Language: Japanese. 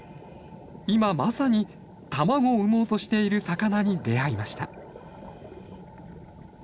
今まさに卵を産もうとしている魚に出会いました。